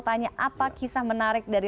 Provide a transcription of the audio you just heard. tanya apa kisah menarik dari